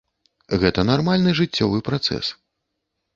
Гэта нармальны жыццёвы працэс.